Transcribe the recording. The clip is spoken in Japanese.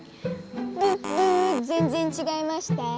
ブッブーぜんぜんちがいましたぁ。